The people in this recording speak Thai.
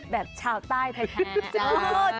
แบบชาวใต้แพ้แพ้